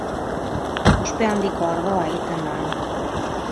Ospe handiko ardoa egiten da han.